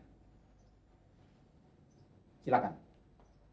agar anak muda ini bisa menghargai usaha kita untuk menyelamatkannya